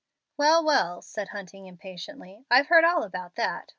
"Well, well," said Hunting, impatiently, "I've heard all about that.